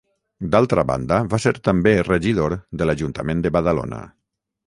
D'altra banda, va ser també regidor de l'Ajuntament de Badalona.